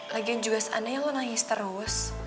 lagian juga seandainya lo nangis terus